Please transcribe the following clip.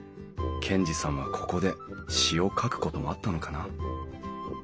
賢治さんはここで詩を書くこともあったのかな？